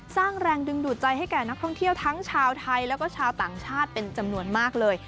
สร้างแรงดึงดูดใจให้แก่นักท่องเที่ยวทั้งชาวไทยแล้วก็ชาวต่างชาติเป็นจำนวนมากเลย